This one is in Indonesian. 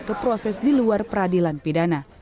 ke proses di luar peradilan pidana